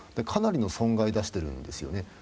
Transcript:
かなりの損害を出しているんですよね。